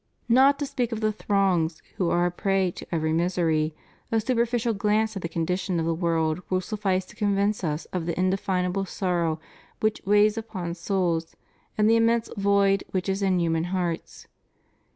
Not to speak of the throngs who are a prey to every misery, a super ficial glance at the condition of the world will suffice to convince us of the indefinable sorrow which weighs upon souls and the immense void which is in human hearts.